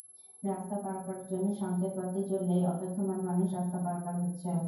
রাস্তা পারাপারের জন্য সংকেত বাতি জ্বললেই অপেক্ষমাণ মানুষ রাস্তা পারাপার হচ্ছে।